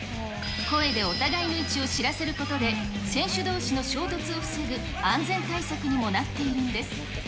声でお互いの位置を知らせることで、選手どうしの衝突を防ぐ安全対策にもなっているんです。